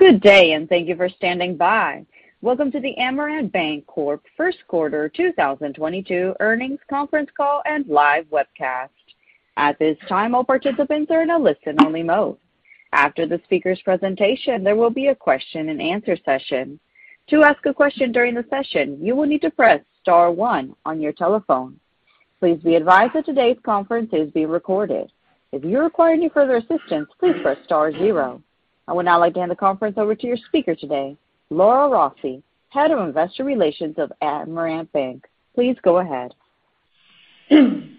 Good day, and thank you for standing by. Welcome to the Amerant Bancorp Inc. First Quarter 2022 Earnings Conference Call and live webcast. At this time, all participants are in a listen-only mode. After the speaker's presentation, there will be a question-and-answer session. To ask a question during the session, you will need to press star one on your telephone. Please be advised that today's conference is being recorded. If you require any further assistance, please press star zero. I would now like to hand the conference over to your speaker today, Laura Rossi, Head of Investor Relations of Amerant Bank. Please go ahead. Thank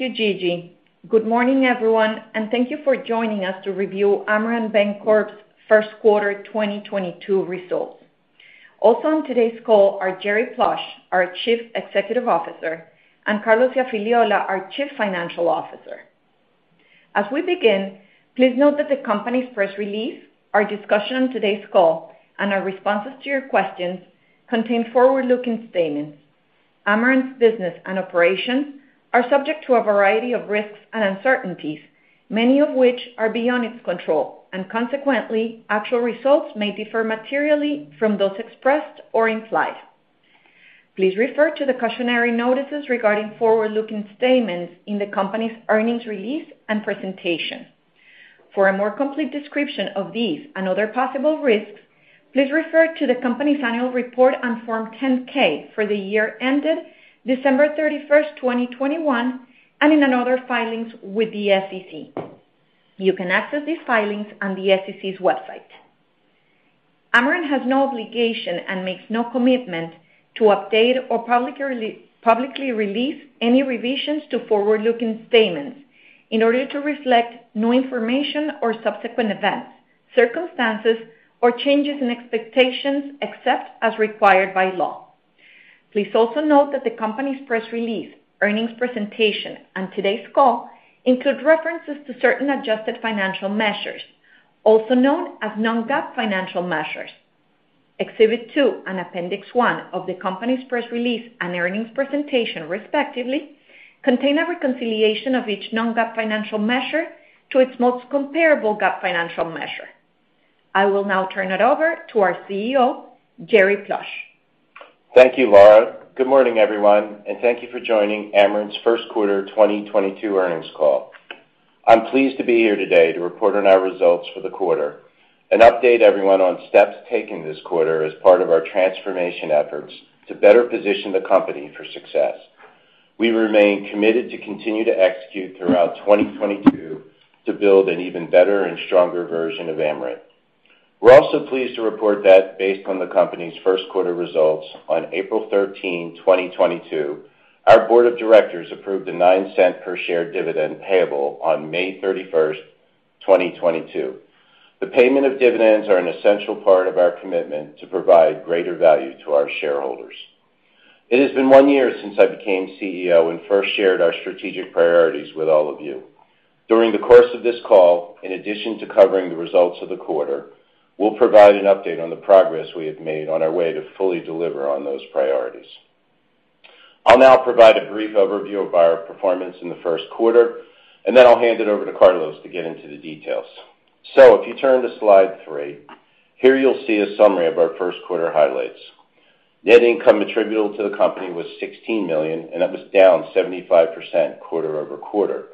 you, Gigi. Good morning, everyone, and thank you for joining us to review Amerant Bancorp Inc.'s first quarter 2022 results. Also on today's call are Jerry Plush, our Chief Executive Officer, and Carlos Iafigliola, our Chief Financial Officer. As we begin, please note that the company's press release, our discussion on today's call, and our responses to your questions contain forward-looking statements. Amerant's business and operations are subject to a variety of risks and uncertainties, many of which are beyond its control, and consequently, actual results may differ materially from those expressed or implied. Please refer to the cautionary notices regarding forward-looking statements in the company's earnings release and presentation. For a more complete description of these and other possible risks, please refer to the company's annual report on Form 10-K for the year ended December 31, 2021, and in other filings with the SEC. You can access these filings on the SEC's website. Amerant has no obligation and makes no commitment to update or publicly release any revisions to forward-looking statements in order to reflect new information or subsequent events, circumstances, or changes in expectations except as required by law. Please also note that the company's press release, earnings presentation, and today's call include references to certain adjusted financial measures, also known as non-GAAP financial measures. Exhibit two and appendix one of the company's press release and earnings presentation, respectively, contain a reconciliation of each non-GAAP financial measure to its most comparable GAAP financial measure. I will now turn it over to our CEO, Jerry Plush. Thank you, Laura. Good morning, everyone, and thank you for joining Amerant's first quarter 2022 earnings call. I'm pleased to be here today to report on our results for the quarter and update everyone on steps taken this quarter as part of our transformation efforts to better position the company for success. We remain committed to continue to execute throughout 2022 to build an even better and stronger version of Amerant. We're also pleased to report that based on the company's first quarter results on April 13, 2022, our board of directors approved a $0.09 per share dividend payable on May 31, 2022. The payment of dividends are an essential part of our commitment to provide greater value to our shareholders. It has been one year since I became CEO and first shared our strategic priorities with all of you. During the course of this call, in addition to covering the results of the quarter, we'll provide an update on the progress we have made on our way to fully deliver on those priorities. I'll now provide a brief overview of our performance in the first quarter, and then I'll hand it over to Carlos to get into the details. If you turn to slide three, here you'll see a summary of our first quarter highlights. Net income attributable to the company was $16 million, and that was down 75% quarter-over-quarter.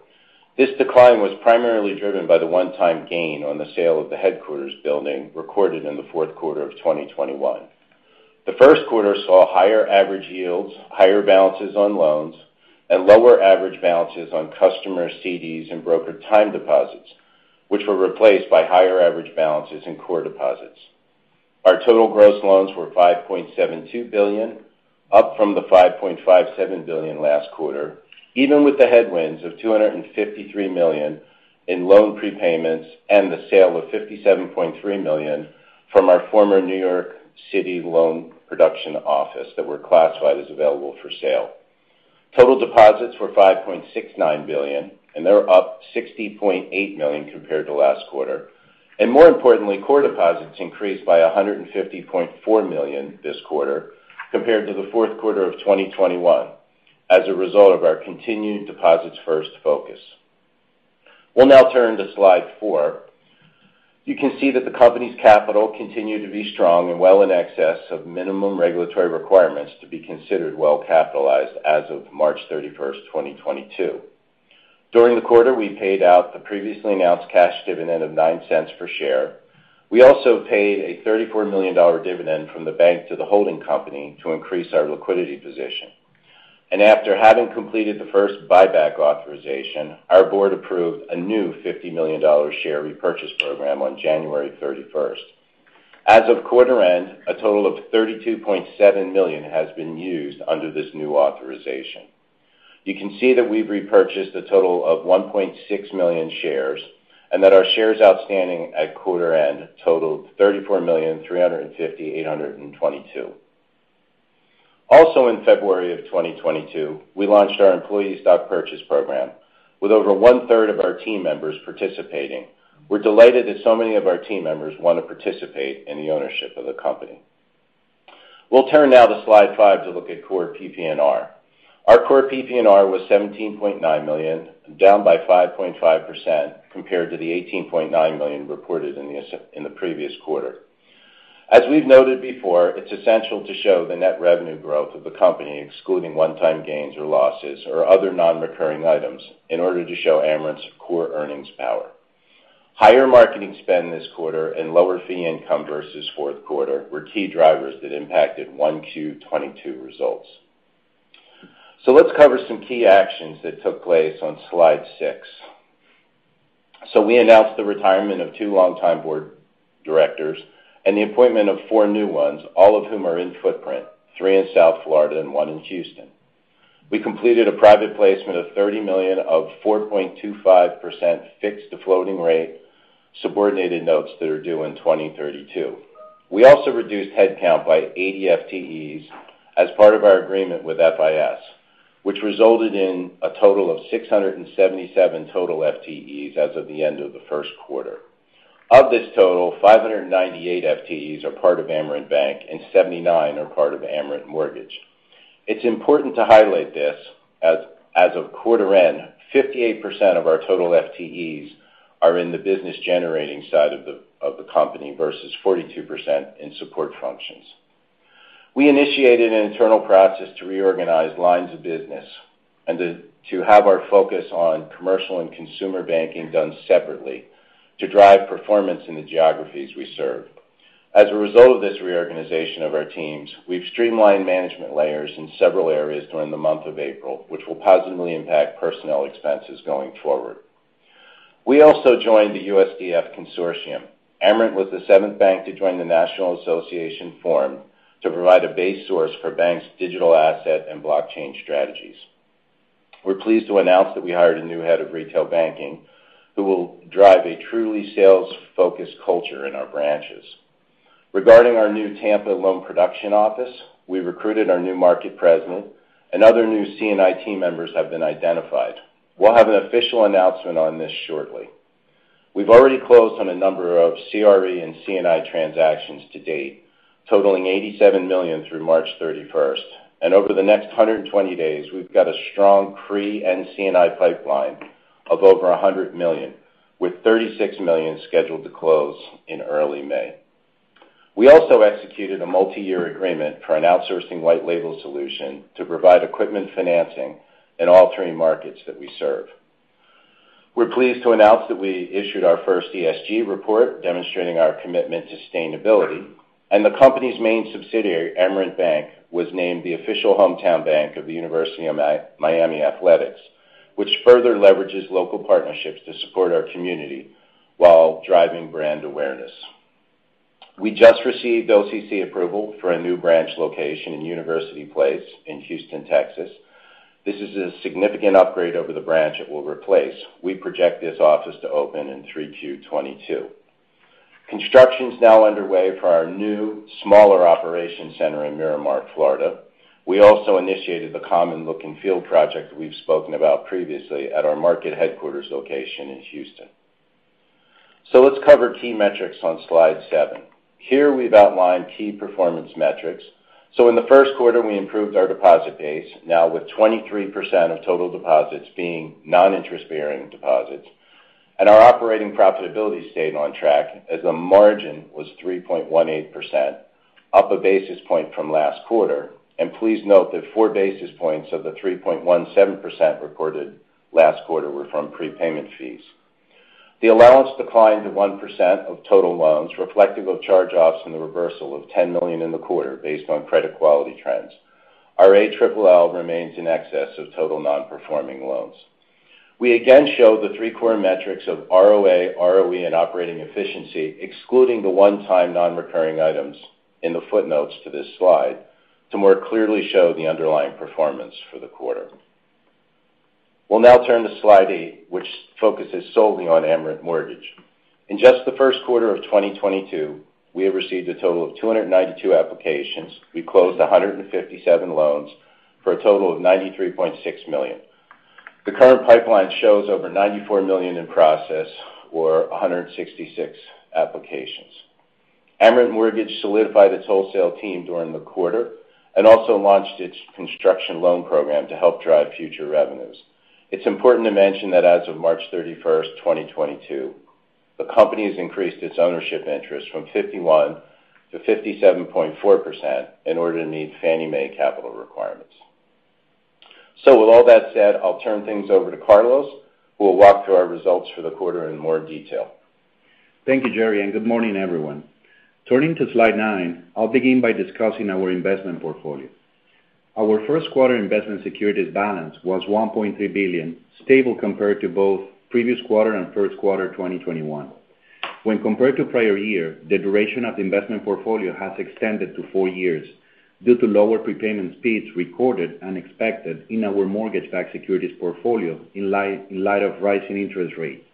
This decline was primarily driven by the one-time gain on the sale of the headquarters building recorded in the fourth quarter of 2021. The first quarter saw higher average yields, higher balances on loans, and lower average balances on customer CDs and brokered time deposits, which were replaced by higher average balances in core deposits. Our total gross loans were $5.72 billion, up from the $5.57 billion last quarter, even with the headwinds of $253 million in loan prepayments and the sale of $57.3 million from our former New York City loan production office that were classified as available for sale. Total deposits were $5.69 billion, and they're up $60.8 million compared to last quarter. More importantly, core deposits increased by $150.4 million this quarter compared to the fourth quarter of 2021 as a result of our continued deposits first focus. We'll now turn to slide four. You can see that the company's capital continued to be strong and well in excess of minimum regulatory requirements to be considered well-capitalized as of March 31, 2022. During the quarter, we paid out the previously announced cash dividend of $0.09 per share. We also paid a $34 million dividend from the bank to the holding company to increase our liquidity position. After having completed the first buyback authorization, our board approved a new $50 million share repurchase program on January 31. As of quarter end, a total of $32.7 million has been used under this new authorization. You can see that we've repurchased a total of 1.6 million shares, and that our shares outstanding at quarter end totaled 34,358,822. Also in February 2022, we launched our employee stock purchase program. With over 1/3 of our team members participating, we're delighted that so many of our team members want to participate in the ownership of the company. We'll turn now to slide five to look at core PPNR. Our core PPNR was $17.9 million, down 5.5% compared to the $18.9 million reported in the previous quarter. As we've noted before, it's essential to show the net revenue growth of the company, excluding one-time gains or losses, or other non-recurring items in order to show Amerant's core earnings power. Higher marketing spend this quarter and lower fee income versus fourth quarter were key drivers that impacted 1Q 2022 results. Let's cover some key actions that took place on slide six. We announced the retirement of two longtime board directors and the appointment of four new ones, all of whom are in footprint, three in South Florida and one in Houston. We completed a private placement of $30 million of 4.25% fixed-to-floating-rate subordinated notes that are due in 2032. We also reduced headcount by 80 FTEs as part of our agreement with FIS, which resulted in a total of 677 total FTEs as of the end of the first quarter. Of this total, 598 FTEs are part of Amerant Bank and 79 are part of Amerant Mortgage. It's important to highlight this. As of quarter end, 58% of our total FTEs are in the business generating side of the company versus 42% in support functions. We initiated an internal process to reorganize lines of business and to have our focus on commercial and consumer banking done separately to drive performance in the geographies we serve. As a result of this reorganization of our teams, we've streamlined management layers in several areas during the month of April, which will positively impact personnel expenses going forward. We also joined the USDF Consortium. Amerant was the seventh bank to join the National Association formed to provide a base source for banks' digital asset and blockchain strategies. We're pleased to announce that we hired a new head of retail banking who will drive a truly sales-focused culture in our branches. Regarding our new Tampa loan production office, we recruited our new market president, and other new C&I team members have been identified. We'll have an official announcement on this shortly. We've already closed on a number of CRE and C&I transactions to date, totaling $87 million through March 31. Over the next 120 days, we've got a strong CRE and C&I pipeline of over $100 million, with $36 million scheduled to close in early May. We also executed a multi-year agreement for an outsourcing white label solution to provide equipment financing in all three markets that we serve. We're pleased to announce that we issued our first ESG report demonstrating our commitment to sustainability, and the company's main subsidiary, Amerant Bank, was named the official hometown bank of the University of Miami Athletics, which further leverages local partnerships to support our community while driving brand awareness. We just received OCC approval for a new branch location in University Place in Houston, Texas. This is a significant upgrade over the branch it will replace. We project this office to open in 2022. Construction is now underway for our new, smaller operations center in Miramar, Florida. We also initiated the common look and feel project we've spoken about previously at our market headquarters location in Houston. Let's cover key metrics on slide seven. Here we've outlined key performance metrics. In the first quarter, we improved our deposit base, now with 23% of total deposits being non-interest-bearing deposits. Our operating profitability stayed on track as the margin was 3.18%, up one basis point from last quarter. Please note that four basis points of the 3.17% recorded last quarter were from prepayment fees. The allowance declined to 1% of total loans, reflective of charge-offs and the reversal of $10 million in the quarter based on credit quality trends. Our ALLL remains in excess of total non-performing loans. We again show the three core metrics of ROA, ROE, and operating efficiency, excluding the one-time non-recurring items in the footnotes to this slide to more clearly show the underlying performance for the quarter. We'll now turn to slide eight, which focuses solely on Amerant Mortgage. In just the first quarter of 2022, we have received a total of 292 applications. We closed 157 loans for a total of $93.6 million. The current pipeline shows over $94 million in process or 166 applications. Amerant Mortgage solidified its wholesale team during the quarter and also launched its construction loan program to help drive future revenues. It's important to mention that as of March 31, 2022, the company has increased its ownership interest from 51% to 57.4% in order to meet Fannie Mae capital requirements. With all that said, I'll turn things over to Carlos, who will walk through our results for the quarter in more detail. Thank you, Jerry, and good morning, everyone. Turning to slide nine, I'll begin by discussing our investment portfolio. Our first quarter investment securities balance was $1.3 billion, stable compared to both previous quarter and first quarter 2021. When compared to prior year, the duration of the investment portfolio has extended to four years due to lower prepayment speeds recorded, unexpected in our mortgage-backed securities portfolio in light of rising interest rates.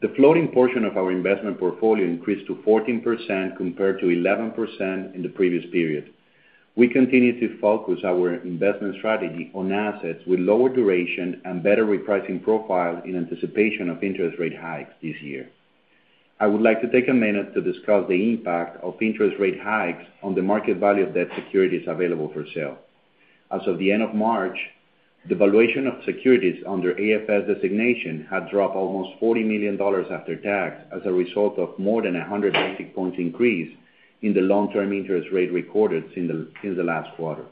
The floating portion of our investment portfolio increased to 14% compared to 11% in the previous period. We continue to focus our investment strategy on assets with lower duration and better repricing profile in anticipation of interest rate hikes this year. I would like to take a minute to discuss the impact of interest rate hikes on the market value of debt securities available for sale. As of the end of March, the valuation of securities under AFS designation had dropped almost $40 million after tax as a result of more than 100 basis points increase in the long-term interest rate recorded in the last quarter.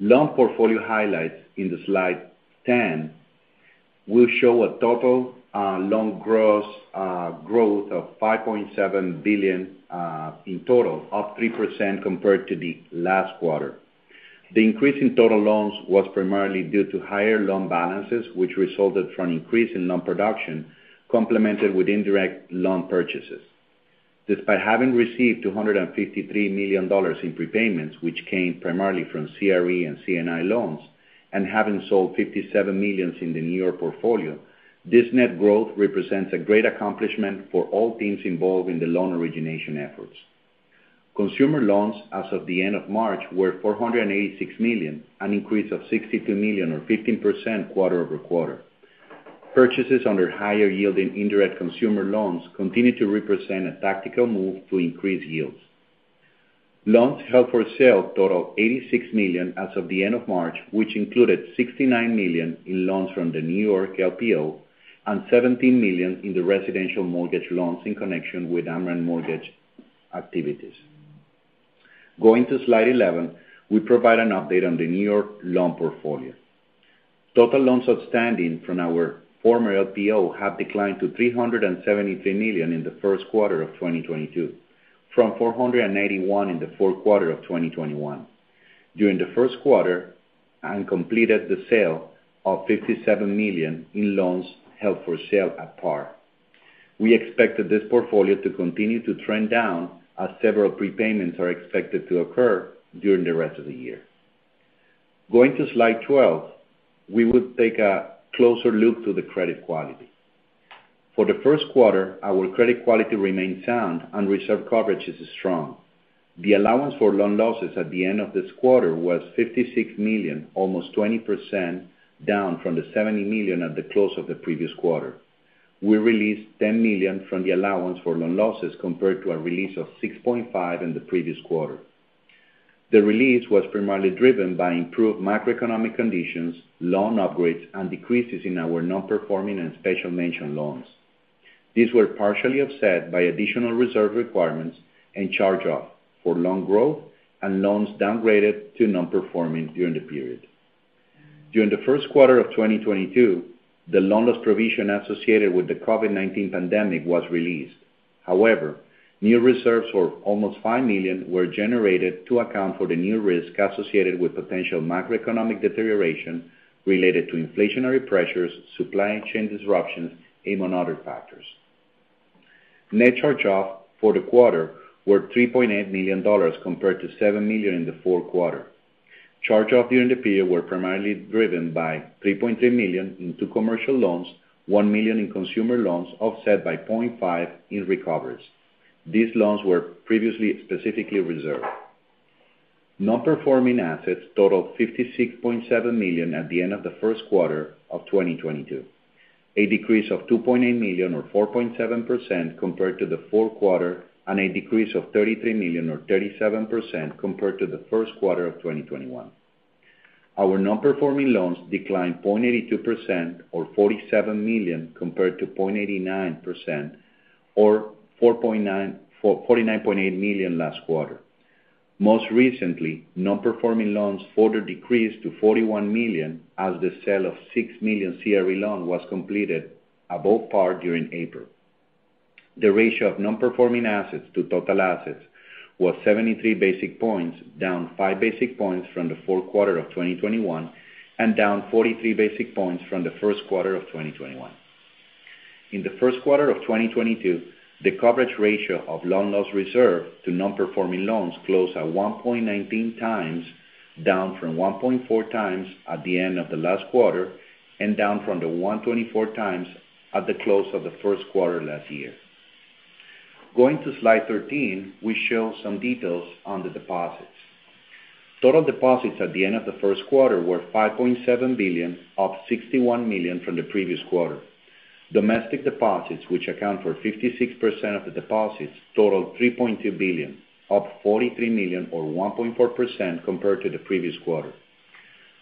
Loan portfolio highlights in the slide 10 will show a total loan gross growth of $5.7 billion in total, up 3% compared to the last quarter. The increase in total loans was primarily due to higher loan balances, which resulted from increase in loan production, complemented with indirect loan purchases. Despite having received $253 million in prepayments, which came primarily from CRE and C&I loans, and having sold $57 million in the New York portfolio, this net growth represents a great accomplishment for all teams involved in the loan origination efforts. Consumer loans as of the end of March were $486 million, an increase of $62 million or 15% quarter-over-quarter. Purchases under higher yielding indirect consumer loans continue to represent a tactical move to increase yields. Loans held for sale total $86 million as of the end of March, which included $69 million in loans from the New York LPO and $17 million in the residential mortgage loans in connection with Amerant mortgage activities. Going to slide 11, we provide an update on the New York loan portfolio. Total loans outstanding from our former LPO have declined to $373 million in the first quarter of 2022, from $481 million in the fourth quarter of 2021. During the first quarter, we completed the sale of $57 million in loans held for sale at par. We expected this portfolio to continue to trend down as several prepayments are expected to occur during the rest of the year. Going to slide 12, we would take a closer look to the credit quality. For the first quarter, our credit quality remained sound and reserve coverage is strong. The allowance for loan losses at the end of this quarter was $56 million, almost 20% down from the $70 million at the close of the previous quarter. We released $10 million from the allowance for loan losses compared to a release of $6.5 million in the previous quarter. The release was primarily driven by improved macroeconomic conditions, loan upgrades, and decreases in our non-performing and special mention loans. These were partially offset by additional reserve requirements and charge-off for loan growth and loans downgraded to non-performing during the period. During the first quarter of 2022, the loan loss provision associated with the COVID-19 pandemic was released. However, new reserves for almost $5 million were generated to account for the new risk associated with potential macroeconomic deterioration related to inflationary pressures, supply chain disruptions, among other factors. Net charge-off for the quarter were $3.8 million compared to $7 million in the fourth quarter. Charge-off during the period were primarily driven by $3.3 million in two commercial loans, $1 million in consumer loans, offset by $0.5 in recoveries. These loans were previously specifically reserved. Non-performing assets totaled $56.7 million at the end of the first quarter of 2022, a decrease of $2.8 million or 4.7% compared to the fourth quarter, and a decrease of $33 million or 37% compared to the first quarter of 2021. Our non-performing loans declined 0.82% or $47 million compared to 0.89% or $49.8 million last quarter. Most recently, non-performing loans further decreased to $41 million as the sale of $6 million CRE loan was completed above par during April. The ratio of non-performing assets to total assets was 73 basis points, down five basis points from the fourth quarter of 2021, and down 43 basis points from the first quarter of 2021. In the first quarter of 2022, the coverage ratio of loan loss reserve to non-performing loans closed at 1.19x, down from 1.4x at the end of the last quarter, and down from the 1.24x at the close of the first quarter last year. Going to slide 13, we show some details on the deposits. Total deposits at the end of the first quarter were $5.7 billion, up $61 million from the previous quarter. Domestic deposits, which account for 56% of the deposits, totaled $3.2 billion, up $43 million or 1.4% compared to the previous quarter.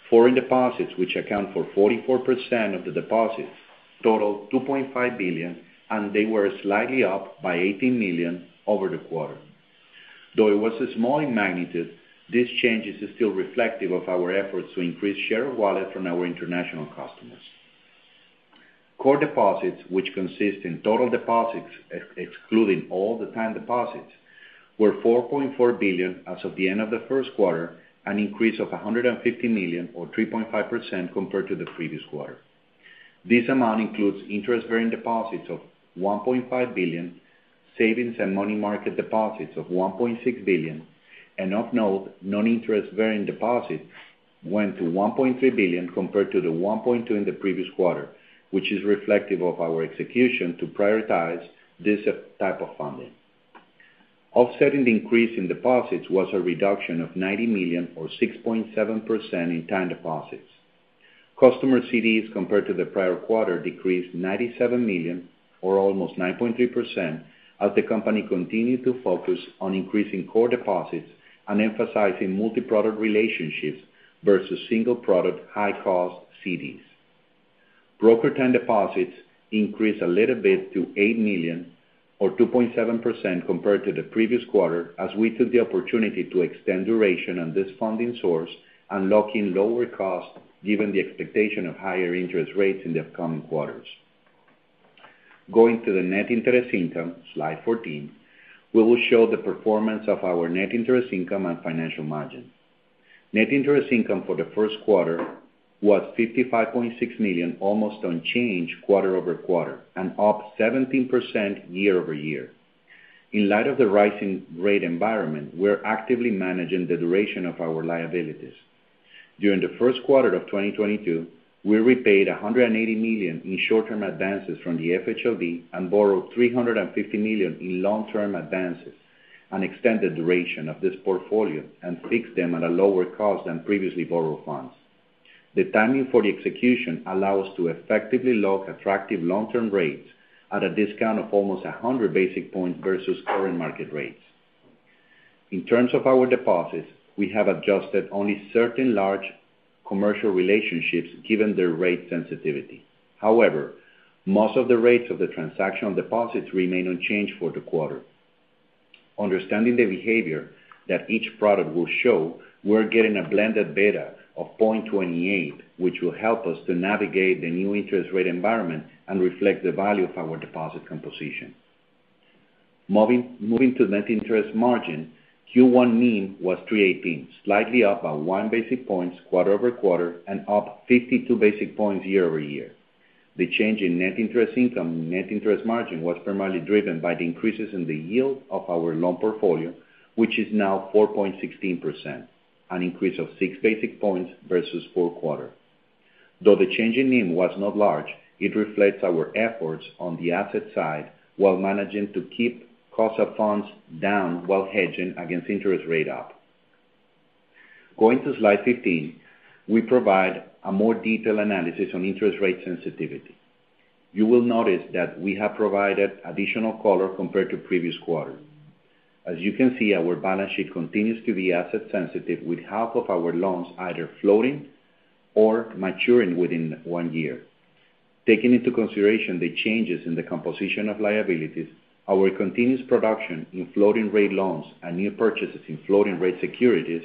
Foreign deposits, which account for 44% of the deposits, totaled $2.5 billion, and they were slightly up by $18 million over the quarter. Though it was small in magnitude, this change is still reflective of our efforts to increase share of wallet from our international customers. Core deposits, which consist in total deposits excluding all the time deposits, were $4.4 billion as of the end of the first quarter, an increase of $150 million or 3.5% compared to the previous quarter. This amount includes interest-bearing deposits of $1.5 billion, savings and money market deposits of $1.6 billion, and of note, non-interest bearing deposits went to $1.3 billion compared to the $1.2 billion in the previous quarter, which is reflective of our execution to prioritize this type of funding. Offsetting the increase in deposits was a reduction of $90 million or 6.7% in time deposits. Customer CDs compared to the prior quarter decreased $97 million or almost 9.3% as the company continued to focus on increasing core deposits and emphasizing multiproduct relationships versus single product high-cost CDs. Brokered time deposits increased a little bit to $8 million or 2.7% compared to the previous quarter, as we took the opportunity to extend duration on this funding source and lock in lower costs given the expectation of higher interest rates in the upcoming quarters. Going to the net interest income, slide 14, we will show the performance of our net interest income and net interest margin. Net interest income for the first quarter was $55.6 million, almost unchanged quarter-over-quarter, and up 17% year-over-year. In light of the rising rate environment, we are actively managing the duration of our liabilities. During the first quarter of 2022, we repaid $180 million in short-term advances from the FHLB and borrowed $350 million in long-term advances and extended duration of this portfolio and fixed them at a lower cost than previously borrowed funds. The timing for the execution allow us to effectively lock attractive long-term rates at a discount of almost 100 basis points versus current market rates. In terms of our deposits, we have adjusted only certain large commercial relationships given their rate sensitivity. However, most of the rates of the transactional deposits remain unchanged for the quarter. Understanding the behavior that each product will show, we're getting a blended beta of 0.28, which will help us to navigate the new interest rate environment and reflect the value of our deposit composition. Moving to net interest margin, Q1 NIM was 3.18, slightly up by one basis point quarter-over-quarter and up 52 basis points year-over-year. The change in net interest income and net interest margin was primarily driven by the increases in the yield of our loan portfolio, which is now 4.16%, an increase of 6 basis points versus prior quarter. Though the change in NIM was not large, it reflects our efforts on the asset side while managing to keep cost of funds down while hedging against interest rate risk. Going to slide 15, we provide a more detailed analysis on interest rate sensitivity. You will notice that we have provided additional color compared to previous quarter. As you can see, our balance sheet continues to be asset sensitive, with half of our loans either floating or maturing within one year. Taking into consideration the changes in the composition of liabilities, our continuous production in floating-rate loans and new purchases in floating-rate securities,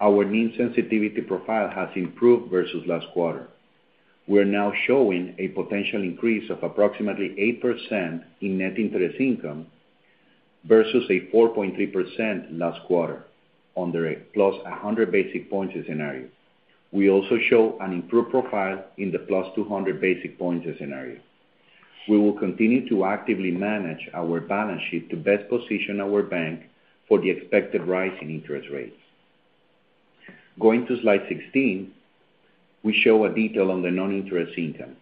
our NIM sensitivity profile has improved versus last quarter. We are now showing a potential increase of approximately 8% in net interest income versus a 4.3% last quarter under a plus 100 basis points scenario. We also show an improved profile in the plus 200 basis points scenario. We will continue to actively manage our balance sheet to best position our bank for the expected rise in interest rates. Going to slide 16, we show a detail on the non-interest income.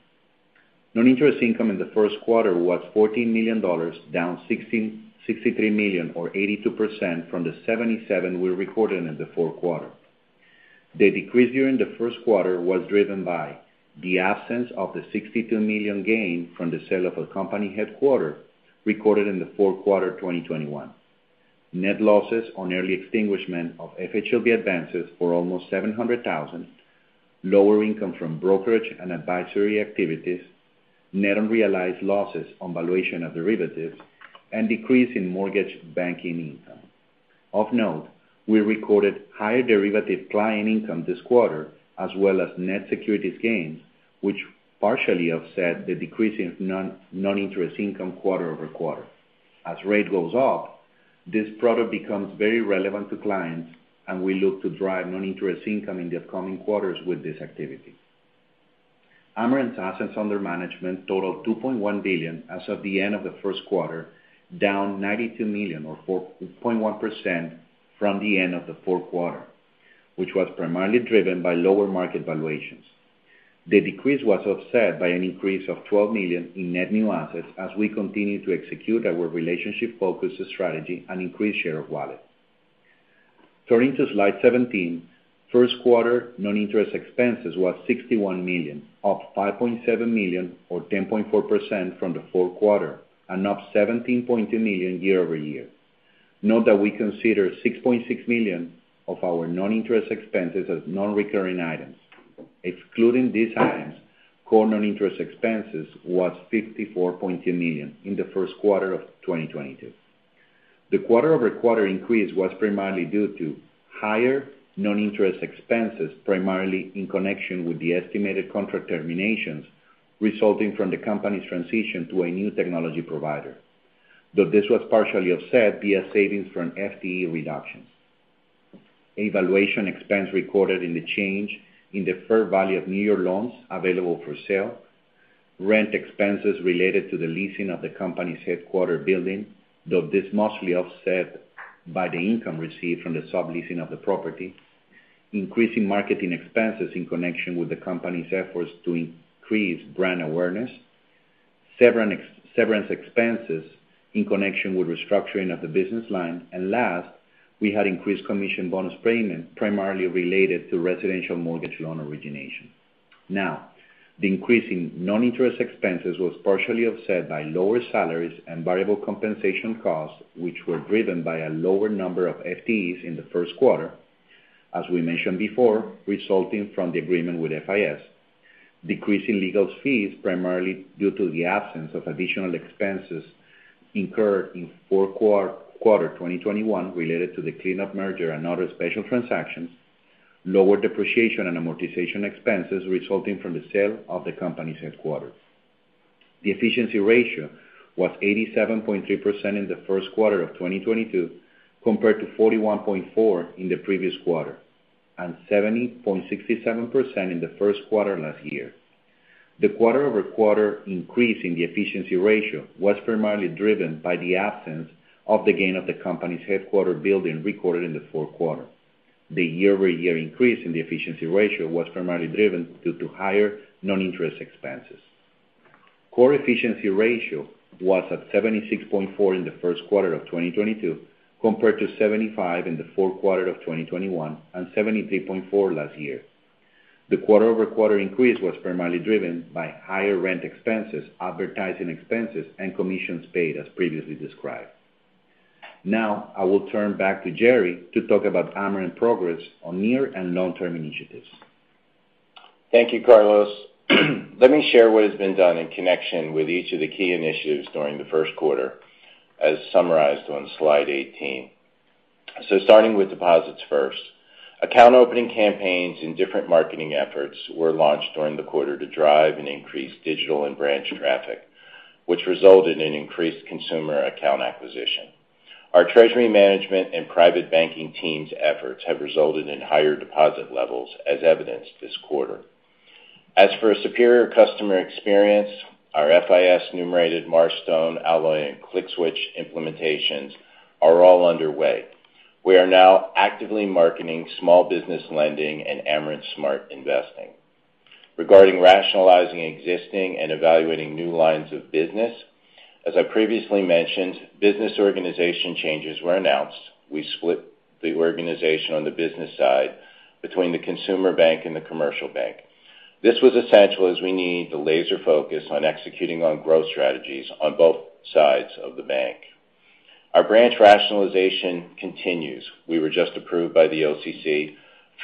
Non-interest income in the first quarter was $14 million, down $63 million or 82% from the $77 we recorded in the fourth quarter. The decrease during the first quarter was driven by the absence of the $62 million gain from the sale of a company headquarters recorded in the fourth quarter, 2021. Net losses on early extinguishment of FHLB advances for almost $700,000, lower income from brokerage and advisory activities, net unrealized losses on valuation of derivatives, and decrease in mortgage banking income. Of note, we recorded higher derivative client income this quarter, as well as net securities gains, which partially offset the decrease in non-interest income quarter over quarter. As rate goes up, this product becomes very relevant to clients, and we look to drive non-interest income in the upcoming quarters with this activity. Amerant's assets under management totaled $2.1 billion as of the end of the first quarter, down $92 million or 4.1% from the end of the fourth quarter, which was primarily driven by lower market valuations. The decrease was offset by an increase of $12 million in net new assets as we continue to execute our relationship-focused strategy and increase share of wallet. Turning to slide 17, first quarter non-interest expenses was $61 million, up $5.7 million or 10.4% from the fourth quarter and up $17.2 million year-over-year. Note that we consider $6.6 million of our non-interest expenses as non-recurring items. Excluding these items, core non-interest expenses was $54.2 million in the first quarter of 2022. The quarter-over-quarter increase was primarily due to higher noninterest expenses, primarily in connection with the estimated contract terminations resulting from the company's transition to a new technology provider, though this was partially offset via savings from FTE reductions, a valuation expense recorded in the change in the fair value of loans available for sale, rent expenses related to the leasing of the company's headquarters building, though this mostly offset by the income received from the subleasing of the property, increasing marketing expenses in connection with the company's efforts to increase brand awareness, severance expenses in connection with restructuring of the business line. Last, we had increased commission bonus payment primarily related to residential mortgage loan origination. Now, the increase in non-interest expenses was partially offset by lower salaries and variable compensation costs, which were driven by a lower number of FTEs in the first quarter, as we mentioned before, resulting from the agreement with FIS, decreasing legal fees primarily due to the absence of additional expenses incurred in fourth quarter 2021 related to the cleanup merger and other special transactions, lower depreciation and amortization expenses resulting from the sale of the company's headquarters. The efficiency ratio was 87.3% in the first quarter of 2022, compared to 41.4% in the previous quarter, and 70.67% in the first quarter last year. The quarter-over-quarter increase in the efficiency ratio was primarily driven by the absence of the gain on the company's headquarters building recorded in the fourth quarter. The year-over-year increase in the efficiency ratio was primarily driven due to higher non-interest expenses. Core efficiency ratio was at 76.4 in the first quarter of 2022, compared to 75 in the fourth quarter of 2021, and 73.4 last year. The quarter-over-quarter increase was primarily driven by higher rent expenses, advertising expenses, and commissions paid, as previously described. Now, I will turn back to Jerry to talk about Amerant progress on near and long-term initiatives. Thank you, Carlos. Let me share what has been done in connection with each of the key initiatives during the first quarter, as summarized on slide 18. Starting with deposits first. Account opening campaigns and different marketing efforts were launched during the quarter to drive and increase digital and branch traffic, which resulted in increased consumer account acquisition. Our treasury management and private banking team's efforts have resulted in higher deposit levels as evidenced this quarter. As for a superior customer experience, our FIS Numerated Marstone, Alloy, and ClickSwitch implementations are all underway. We are now actively marketing small business lending and Amerant Smart Investing. Regarding rationalizing existing and evaluating new lines of business, as I previously mentioned, business organization changes were announced. We split the organization on the business side between the consumer bank and the commercial bank. This was essential as we need to laser focus on executing on growth strategies on both sides of the bank. Our branch rationalization continues. We were just approved by the OCC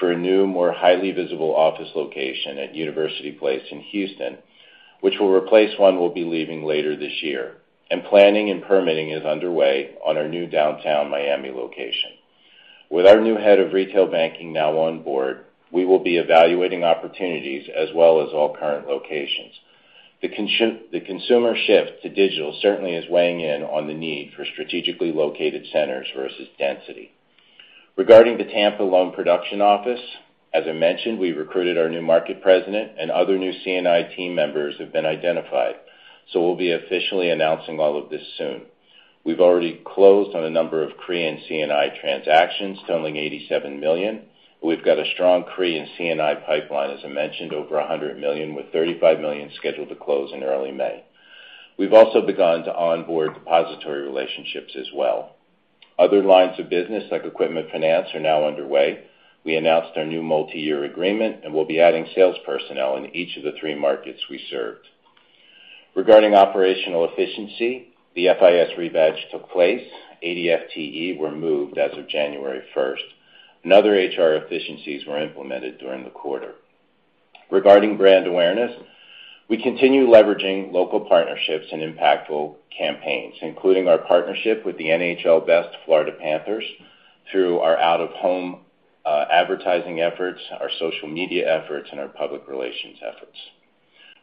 for a new, more highly visible office location at University Place in Houston, which will replace one we'll be leaving later this year. Planning and permitting is underway on our new downtown Miami location. With our new head of retail banking now on board, we will be evaluating opportunities as well as all current locations. The consumer shift to digital certainly is weighing in on the need for strategically located centers versus density. Regarding the Tampa loan production office, as I mentioned, we recruited our new market president and other new C&I team members have been identified, so we'll be officially announcing all of this soon. We've already closed on a number of CRE and C&I transactions totaling $87 million. We've got a strong CRE and C&I pipeline, as I mentioned, over $100 million, with $35 million scheduled to close in early May. We've also begun to onboard depository relationships as well. Other lines of business like equipment finance are now underway. We announced our new multi-year agreement, and we'll be adding sales personnel in each of the three markets we served. Regarding operational efficiency, the FIS rebadge took place. 80 FTE were moved as of January 1, and other HR efficiencies were implemented during the quarter. Regarding brand awareness, we continue leveraging local partnerships and impactful campaigns, including our partnership with the NHL and Florida Panthers through our out-of-home advertising efforts, our social media efforts, and our public relations efforts.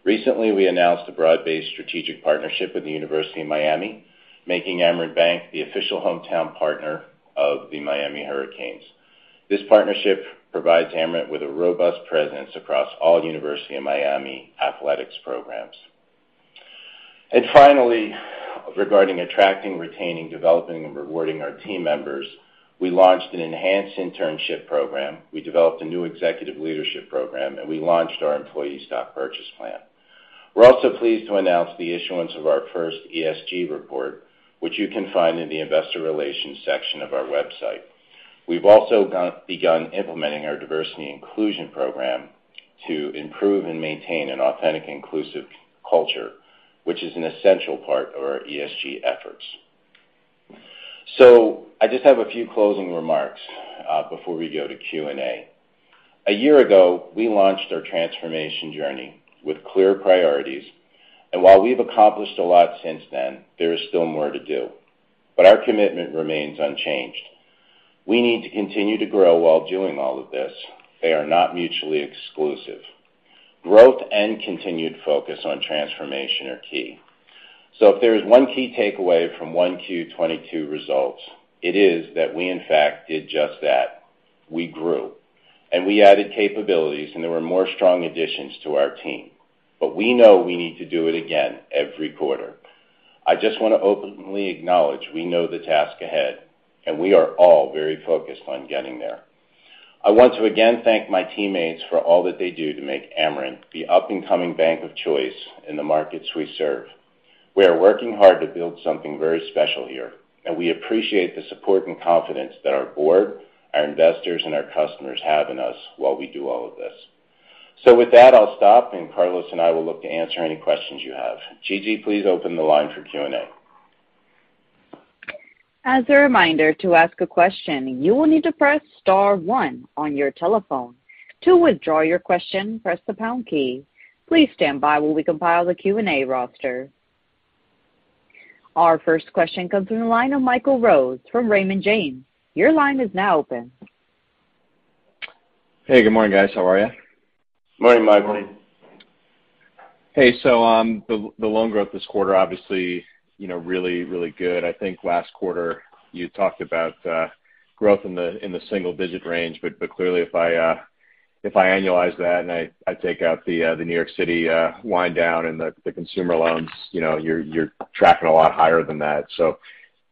Recently, we announced a broad-based strategic partnership with the University of Miami, making Amerant Bank the official hometown partner of the Miami Hurricanes. This partnership provides Amerant with a robust presence across all University of Miami Athletics programs. Finally, regarding attracting, retaining, developing, and rewarding our team members, we launched an enhanced internship program. We developed a new executive leadership program, and we launched our employee stock purchase plan. We're also pleased to announce the issuance of our first ESG report, which you can find in the investor relations section of our website. We've also begun implementing our diversity inclusion program to improve and maintain an authentic, inclusive culture, which is an essential part of our ESG efforts. I just have a few closing remarks before we go to Q&A. A year ago, we launched our transformation journey with clear priorities, and while we've accomplished a lot since then, there is still more to do. Our commitment remains unchanged. We need to continue to grow while doing all of this. They are not mutually exclusive. Growth and continued focus on transformation are key. If there is one key takeaway from 1Q 2022 results, it is that we in fact did just that. We grew, and we added capabilities, and there were more strong additions to our team. We know we need to do it again every quarter. I just want to openly acknowledge we know the task ahead, and we are all very focused on getting there. I want to again thank my teammates for all that they do to make Amerant the up-and-coming bank of choice in the markets we serve. We are working hard to build something very special here, and we appreciate the support and confidence that our board, our investors, and our customers have in us while we do all of this. With that, I'll stop, and Carlos and I will look to answer any questions you have. Gigi, please open the line for Q&A. As a reminder, to ask a question, you will need to press star one on your telephone. To withdraw your question, press the pound key. Please stand by while we compile the Q&A roster. Our first question comes from the line of Michael Rose from Raymond James. Your line is now open. Hey, good morning, guys. How are you? Morning, Michael. Morning. Hey. The loan growth this quarter, obviously, you know, really good. I think last quarter you talked about growth in the single-digit range. Clearly, if I annualize that and I take out the New York City wind down and the consumer loans, you know, you're tracking a lot higher than that.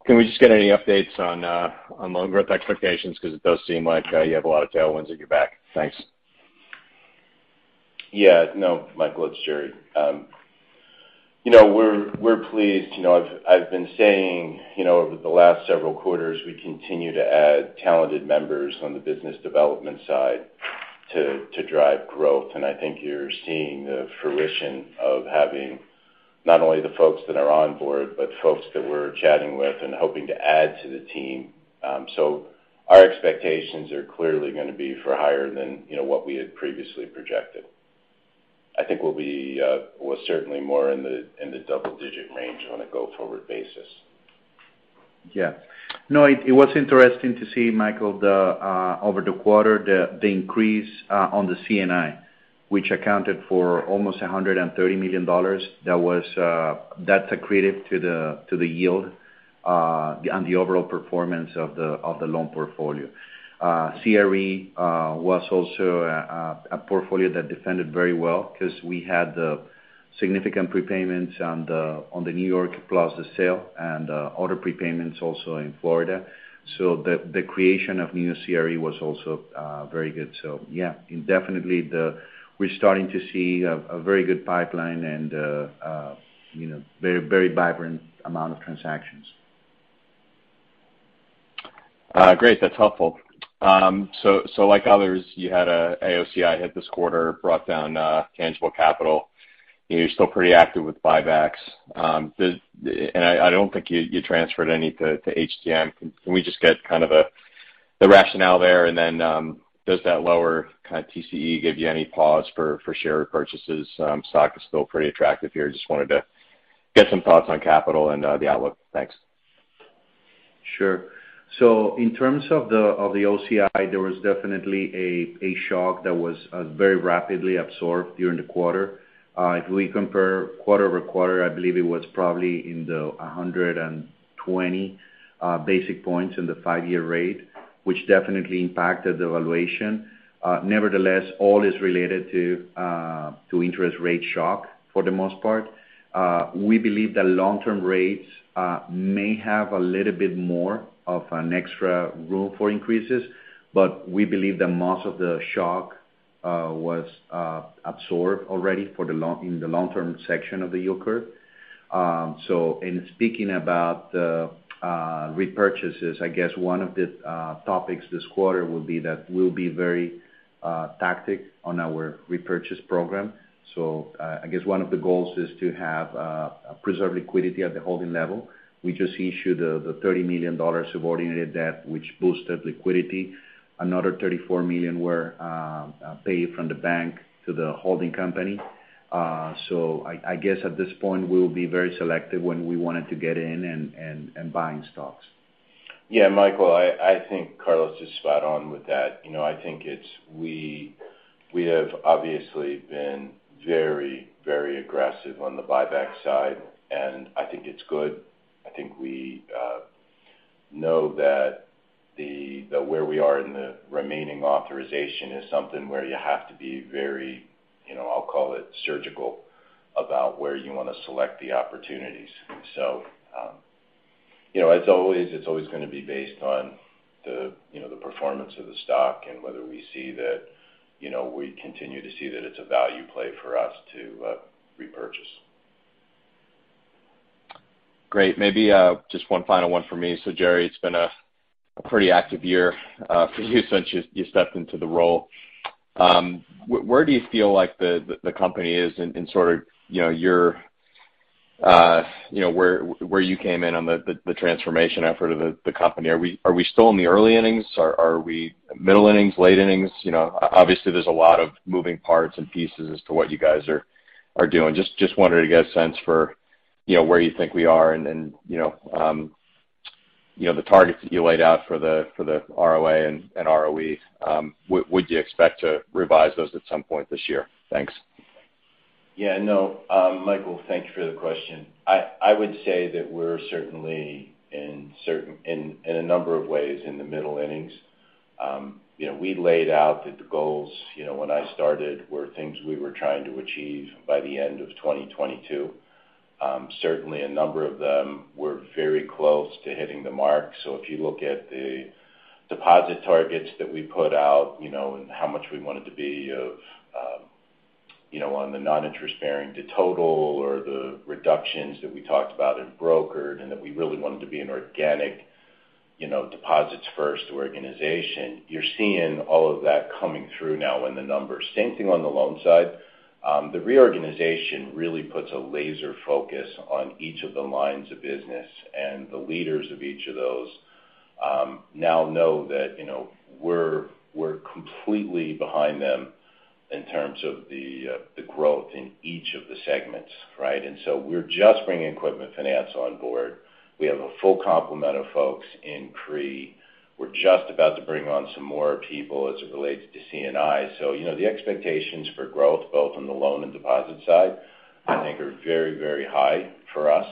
Can we just get any updates on loan growth expectations? 'Cause it does seem like you have a lot of tailwinds at your back. Thanks. Yeah. No, Michael, it's Jerry. You know, we're pleased. You know, I've been saying, you know, over the last several quarters, we continue to add talented members on the business development side to drive growth. I think you're seeing the fruition of having not only the folks that are on board, but folks that we're chatting with and hoping to add to the team. So our expectations are clearly gonna be for higher than, you know, what we had previously projected. I think we'll be, well, certainly more in the double digit range on a go-forward basis. No, it was interesting to see, Michael, over the quarter, the increase on the C&I, which accounted for almost $130 million. That's accretive to the yield on the overall performance of the loan portfolio. CRE was also a portfolio that defended very well 'cause we had the significant prepayments on the New York plus the sale and other prepayments also in Florida. So the creation of new CRE was also very good. So yeah, definitely we're starting to see a very good pipeline and you know, very vibrant amount of transactions. Great. That's helpful. Like others, you had a AOCI hit this quarter, brought down tangible capital. You're still pretty active with buybacks. I don't think you transferred any to HTM. Can we just get kind of the rationale there? Then, does that lower kind of TCE give you any pause for share repurchases? Stock is still pretty attractive here. Just wanted to get some thoughts on capital and the outlook. Thanks. Sure. In terms of the AOCI, there was definitely a shock that was very rapidly absorbed during the quarter. If we compare quarter-over-quarter, I believe it was probably in the 120 basis points in the five-year rate, which definitely impacted the valuation. Nevertheless, AOCI is related to interest rate shock for the most part. We believe that long-term rates may have a little bit more of an extra room for increases, but we believe that most of the shock was absorbed already in the long-term section of the yield curve. In speaking about the repurchases, I guess one of the topics this quarter will be that we'll be very tactical on our repurchase program. I guess one of the goals is to preserve liquidity at the holding level. We just issued the $30 million subordinated debt, which boosted liquidity. Another $34 million were paid from the bank to the holding company. I guess at this point, we'll be very selective when we wanted to get in and buying stocks. Yeah, Michael, I think Carlos is spot on with that. You know, I think we have obviously been very aggressive on the buyback side, and I think it's good. I think we know that where we are in the remaining authorization is something where you have to be very, you know, I'll call it surgical, about where you wanna select the opportunities. You know, as always, it's always gonna be based on the, you know, the performance of the stock and whether we see that, you know, we continue to see that it's a value play for us to repurchase. Great. Maybe just one final one for me. So Jerry, it's been a pretty active year for you since you stepped into the role. Where do you feel like the company is in sort of, you know, your, you know, where you came in on the transformation effort of the company? Are we still in the early innings? Are we middle innings, late innings? You know, obviously, there's a lot of moving parts and pieces as to what you guys are doing. Just wanted to get a sense for, you know, where you think we are and then, you know, the targets that you laid out for the ROA and ROE. Would you expect to revise those at some point this year? Thanks. Yeah. No, Michael, thank you for the question. I would say that we're certainly in a number of ways in the middle innings. You know, we laid out that the goals, you know, when I started, were things we were trying to achieve by the end of 2022. Certainly a number of them were very close to hitting the mark. If you look at the deposit targets that we put out, you know, and how much we want it to be of, you know, on the non-interest-bearing to total or the reductions that we talked about in brokered, and that we really wanted to be an organic, you know, deposits first organization. You're seeing all of that coming through now in the numbers. Same thing on the loan side. The reorganization really puts a laser focus on each of the lines of business, and the leaders of each of those now know that, you know, we're completely behind them in terms of the growth in each of the segments, right? We're just bringing equipment finance on board. We have a full complement of folks in CRE. We're just about to bring on some more people as it relates to C&I. You know, the expectations for growth, both on the loan and deposit side, I think are very, very high for us.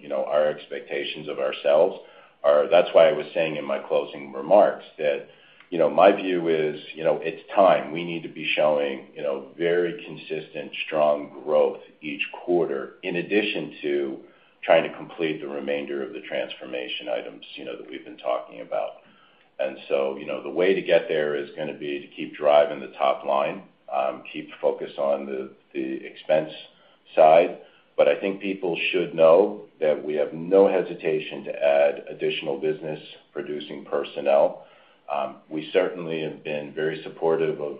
You know, our expectations of ourselves are. That's why I was saying in my closing remarks that, you know, my view is, you know, it's time. We need to be showing, you know, very consistent, strong growth each quarter, in addition to trying to complete the remainder of the transformation items, you know, that we've been talking about. You know, the way to get there is gonna be to keep driving the top line, keep focus on the expense side. I think people should know that we have no hesitation to add additional business-producing personnel. We certainly have been very supportive of,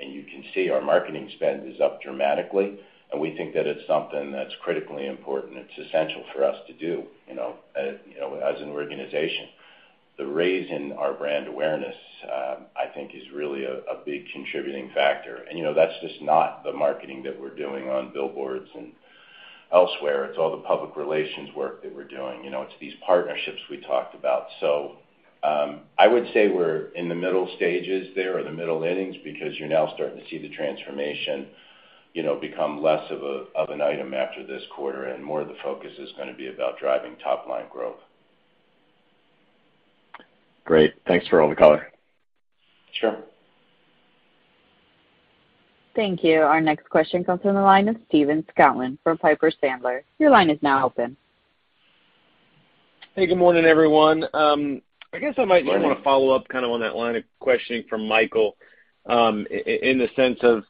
and you can see our marketing spend is up dramatically, and we think that it's something that's critically important. It's essential for us to do, you know, as an organization. The raise in our brand awareness, I think is really a big contributing factor. You know, that's just not the marketing that we're doing on billboards and elsewhere. It's all the public relations work that we're doing. You know, it's these partnerships we talked about. I would say we're in the middle stages there or the middle innings because you're now starting to see the transformation, you know, become less of an item after this quarter, and more of the focus is gonna be about driving top-line growth. Great. Thanks for all the color. Sure. Thank you. Our next question comes from the line of Stephen Scouten from Piper Sandler. Your line is now open. Hey, good morning, everyone. Good morning. Kinda wanna follow up kind of on that line of questioning from Michael, in the sense of,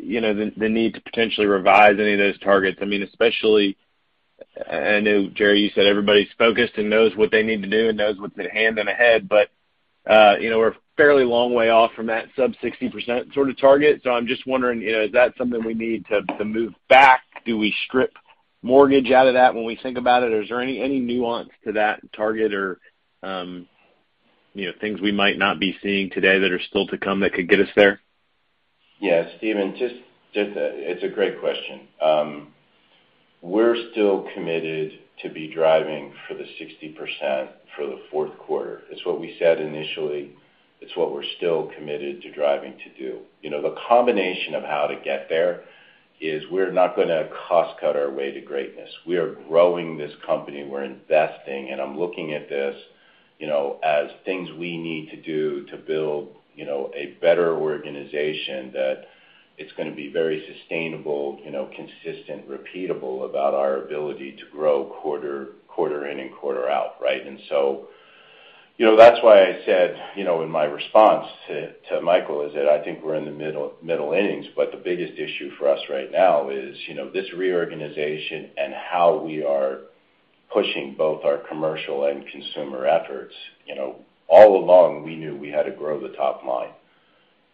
you know, the need to potentially revise any of those targets. I mean, especially, I know, Jerry, you said everybody's focused and knows what they need to do and knows with the hand and a head, but, you know, we're a fairly long way off from that sub-60% sort of target. So I'm just wondering, you know, is that something we need to move back? Do we strip mortgage out of that when we think about it? Or is there any nuance to that target or, you know, things we might not be seeing today that are still to come that could get us there? Yeah. Stephen, just it's a great question. We're still committed to be driving for the 60% for the fourth quarter. It's what we said initially. It's what we're still committed to driving to do. You know, the combination of how to get there is we're not gonna cost cut our way to greatness. We are growing this company. We're investing, and I'm looking at this, you know, as things we need to do to build, you know, a better organization that it's gonna be very sustainable, you know, consistent, repeatable about our ability to grow quarter in and quarter out, right? You know, that's why I said, you know, in my response to Michael is that I think we're in the middle innings. The biggest issue for us right now is, you know, this reorganization and how we are pushing both our commercial and consumer efforts. You know, all along, we knew we had to grow the top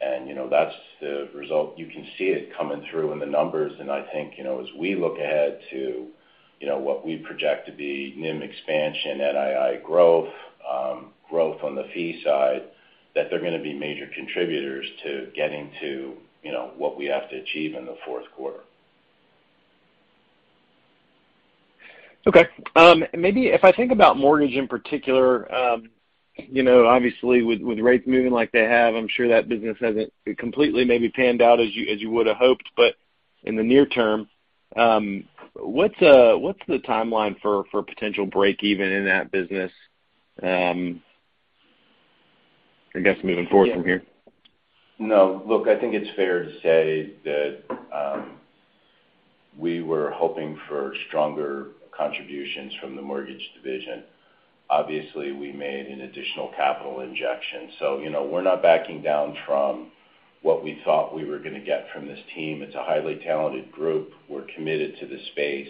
line. You know, that's the result. You can see it coming through in the numbers, and I think, you know, as we look ahead to, you know, what we project to be NIM expansion, NII growth on the fee side, that they're gonna be major contributors to getting to, you know, what we have to achieve in the fourth quarter. Okay. Maybe if I think about mortgage in particular, you know, obviously with rates moving like they have, I'm sure that business hasn't completely maybe panned out as you would've hoped. In the near term, what's the timeline for potential break even in that business, I guess moving forward from here? No. Look, I think it's fair to say that, we were hoping for stronger contributions from the mortgage division. Obviously, we made an additional capital injection. You know, we're not backing down from what we thought we were gonna get from this team. It's a highly talented group. We're committed to the space.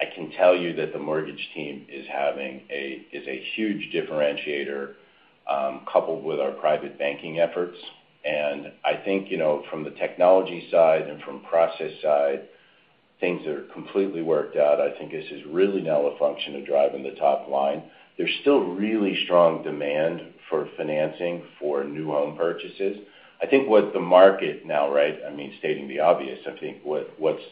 I can tell you that the mortgage team is a huge differentiator, coupled with our private banking efforts. I think, you know, from the technology side and from process side, things are completely worked out. I think this is really now a function of driving the top line. There's still really strong demand for financing for new home purchases. I think what the market now, right? I mean, stating the obvious, I think what's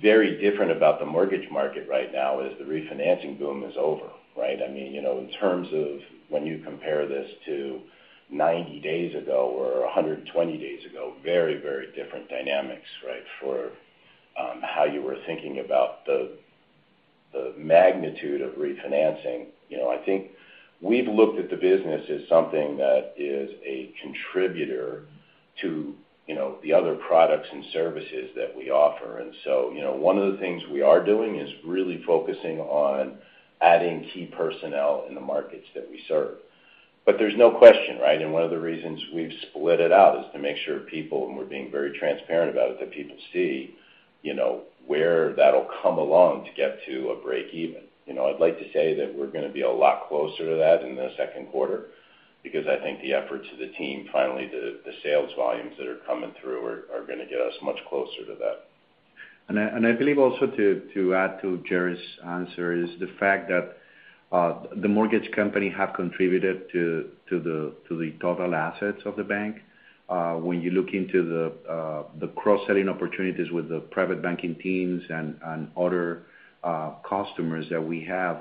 very different about the mortgage market right now is the refinancing boom is over, right? I mean, you know, in terms of when you compare this to 90 days ago or 120 days ago, very, very different dynamics, right? For how you were thinking about the magnitude of refinancing. You know, I think we've looked at the business as something that is a contributor to, you know, the other products and services that we offer. So, you know, one of the things we are doing is really focusing on adding key personnel in the markets that we serve. There's no question, right? One of the reasons we've split it out is to make sure people, and we're being very transparent about it, that people see, you know, where that'll come along to get to a break even. You know, I'd like to say that we're gonna be a lot closer to that in the second quarter because I think the efforts of the team, finally the sales volumes that are coming through are gonna get us much closer to that. I believe also to add to Jerry's answer is the fact that the mortgage company have contributed to the total assets of the bank. When you look into the cross-selling opportunities with the private banking teams and other customers that we have,